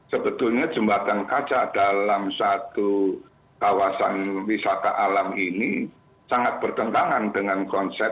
sebetulnya jembatan kaca dalam satu kawasan wisata alam ini sangat bertentangan dengan konsep